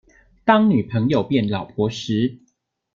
當女朋友變老婆時